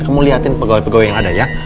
kamu liatin pegawai pegawai yang ada ya